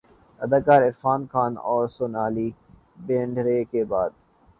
اداکار عرفان خان اورسونالی بیندرے کے بعد